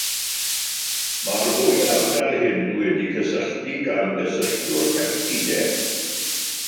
Mae'r ddwy ardal hyn wedi'u cysylltu gan gysylltwr peptidau.